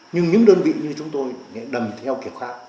nhưng những đơn vị như chúng tôi đầm theo kiểu khác